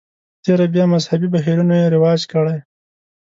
په تېره بیا مذهبي بهیرونو یې رواج کړي.